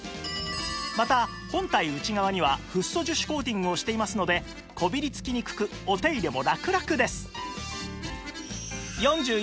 また本体内側にはフッ素樹脂コーティングをしていますのでこびりつきにくくお手入れもラクラクです